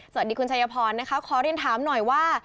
สวัสดีคุณชายพรนะคะขอเรียนถามหน่อยว่า